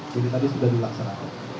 jadi tadi sudah dilaksanakan